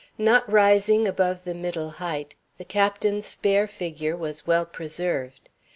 Not rising above the middle height, the Captain's spare figure was well preserved.